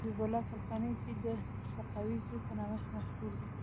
حبیب الله کلکانی چې د سقاو زوی په نامه مشهور و.